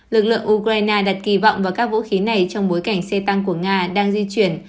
lực lượng ukraine đặt kỳ vọng vào các vũ khí này trong bối cảnh xe tăng của nga đang di chuyển